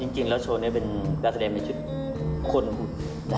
จริงแล้วโชว์นี้เป็นการ์เธอดากมันเปลี่ยนในชุดคนหุ่น